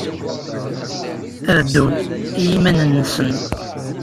Ad ddun i yiman-nsen.